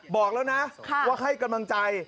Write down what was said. บอกแล้วนะว่าให้กำลังใจ